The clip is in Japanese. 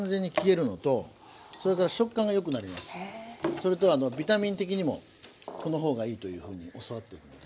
それとビタミン的にもこの方がいいというふうに教わってるので。